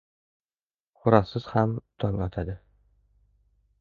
• Xo‘rozsiz ham tong otadi.